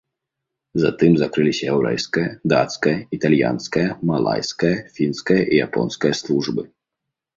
Затым закрыліся яўрэйская, дацкая, італьянская, малайская, фінская і японская службы.